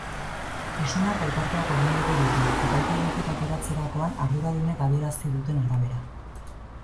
Isunak elkarteak ordainduko ditu, epaitegitik ateratzerakoan arduradunek adierazi duten arabera.